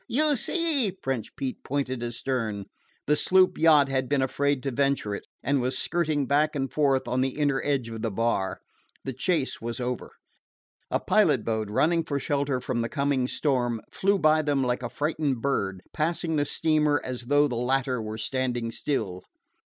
you see!" French Pete pointed astern. The sloop yacht had been afraid to venture it, and was skirting back and forth on the inner edge of the bar. The chase was over. A pilot boat, running for shelter from the coming storm, flew by them like a frightened bird, passing the steamer as though the latter were standing still.